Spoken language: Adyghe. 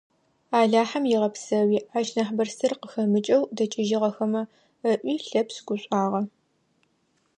«Алахьэм егъэпсэуи ащ нахь бырысыр къыхэмыкӀэу дэкӀыжьыгъэхэмэ», - ыӀуи Лъэпшъ гушӀуагъэ.